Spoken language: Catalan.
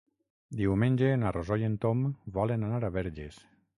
Diumenge na Rosó i en Tom volen anar a Verges.